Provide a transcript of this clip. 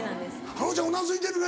あのちゃんうなずいてるね。